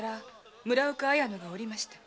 村岡綾乃がいました。